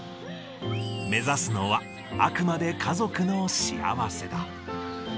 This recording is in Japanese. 目指すのは、あくまで家族の幸せだ。